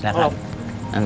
selamat malam pak